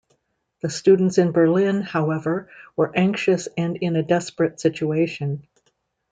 The students in Berlin, however, were anxious and in a desperate situation.